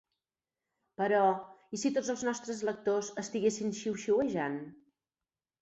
Però, i si tots els nostres lectors estiguessin xiuxiuejant?